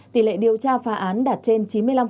tỷ lệ điều tra phá án đạt trên chín mươi năm